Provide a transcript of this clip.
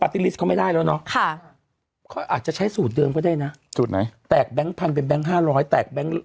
ปาร์ตี้ลิสเขาไม่ได้แล้วเนอะอาจจะใช้สูตรเดิมก็ได้นะแตกแบงค์พันเป็นแบงค์๕๐๐